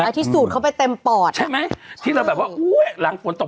ที่สูดเข้าไปเต็มปอดใช่ไหมที่เราแบบว่าอุ้ยหลังฝนตก